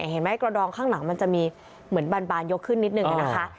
เห็นไหมกระดองข้างหลังมันจะมีเหมือนบานยกขึ้นนิดนึงนะคะ